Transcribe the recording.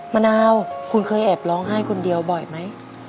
มะนาวคุณเคยแอบร้องไห้คนเดียวบ่อยไหม